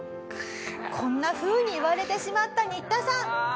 こんなふうに言われてしまったニッタさん。